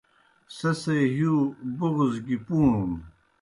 سہ سے ہِیؤ بُغض گیْ پُوݨُن۔